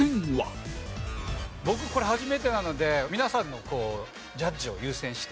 僕これ初めてなので皆さんのジャッジを優先して。